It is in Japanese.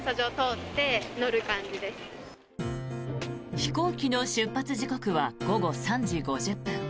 飛行機の出発時刻は午後３時５０分。